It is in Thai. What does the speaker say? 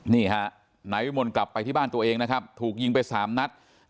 นี่ฮะนายวิมลกลับไปที่บ้านตัวเองนะครับถูกยิงไปสามนัด